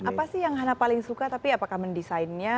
apa sih yang hanna paling suka tapi apakah mendesignnya